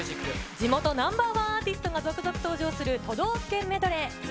地元Ｎｏ．１アーティストが続々登場する都道府県メドレー。